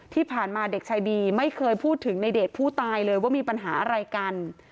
ที่ผ่านมาเด็กชายบีไม่เคยพูดถึงในเดชผู้ตายเลยว่ามีปัญหาอะไรกัน